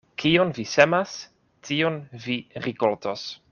Kion vi semas, tion vi rikoltos.